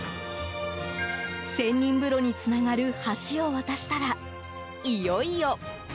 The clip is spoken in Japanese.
仙人風呂につながる橋を渡したらいよいよ。